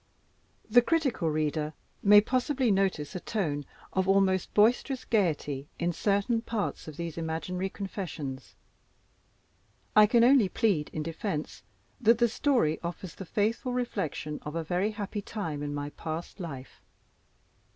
The critical reader may possibly notice a tone of almost boisterous gayety in certain parts of these imaginary Confessions. I can only plead, in defense, that the story offers the faithful reflection of a very happy time in my past life.